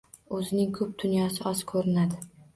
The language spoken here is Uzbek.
O’zining ko’p dunyosi oz ko’rinadi.